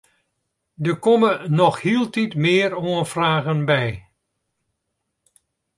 Der komme noch hieltyd mear oanfragen by.